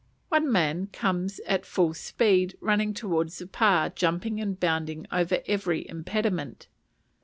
One man comes at full speed, running towards the pa, jumping and bounding over every impediment.